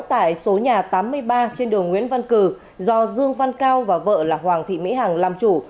tại số nhà tám mươi ba trên đường nguyễn văn cử do dương văn cao và vợ là hoàng thị mỹ hằng làm chủ